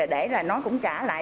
để nó cũng trả lại